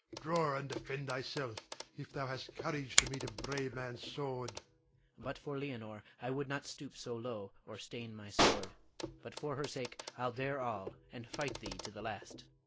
Draw and defend thyself, if thou hast courage to meet a brave man's sword! Adrian. But for Leonore I would not stoop so low, or stain my sword; but for her sake I'll dare all, and fight thee to the last.